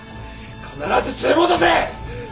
必ず連れ戻せ！